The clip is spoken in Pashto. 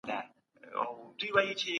که چا درواغ وويل، نو د هغه خبره مه منئ.